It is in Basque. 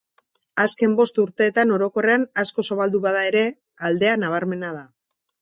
Azken bost urteetan orokorrean asko zabaldu bada ere, aldea nabarmena da.